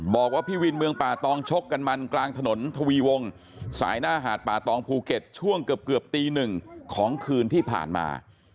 บอกว่าพี่วินเมืองป่าตองชกกันมันกลางถนนทวีวงสายหน้าหาดป่าตองภูเก็ตช่วงเกือบตีหนึ่งของคืนที่ผ่านมา